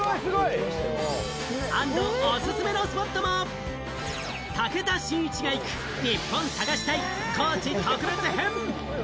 安藤おすすめのスポットも武田真一が行くニッポン探し隊、高知特別編！